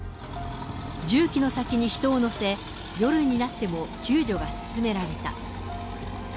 重機の先に人を乗せ、夜になっても救助が進められた。